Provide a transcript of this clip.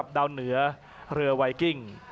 อัศวินาศาสตร์